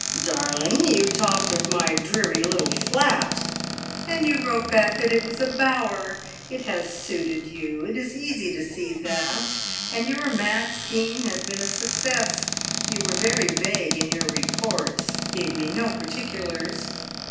"Darling, you talked of my `dreary little flat!'" "And you wrote back that it was a bower! It has suited you it is easy to see that, and your mad scheme has been a success. You were very vague in your reports; gave me no particulars."